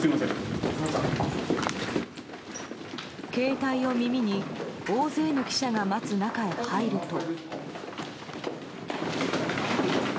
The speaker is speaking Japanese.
携帯を耳に大勢の記者が待つ中へ入ると。